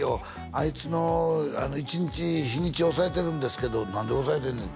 あいつの１日日にち押さえてるんですけど何で押さえてんねん？